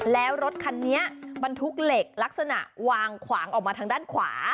แล้วรถคันนี้บรรทุกเหล็กลักษณะวางขวางออกมาทางด้านขวา